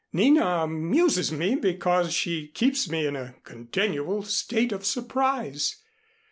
Nina amuses me because she keeps me in a continual state of surprise.